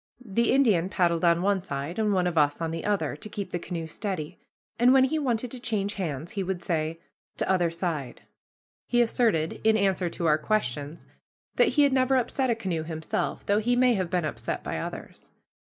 The Indian paddled on one side, and one of us on the other, to keep the canoe steady, and when he wanted to change hands he would say, "T' other side." He asserted, in answer to our questions, that he had never upset a canoe himself, though he may have been upset by others.